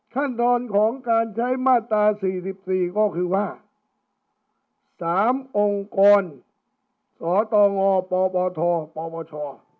ขั้นตอนของการใช้มาตราสี่สิบสี่ก็คือว่าสามองค์กรสอตองอปอบอทอปอบอช่อ